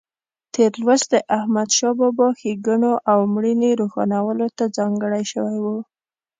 تېر لوست د احمدشاه بابا ښېګڼو او مړینې روښانولو ته ځانګړی شوی و.